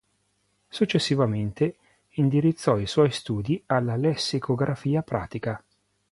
Successivamente indirizzò i suoi studi alla lessicografia pratica.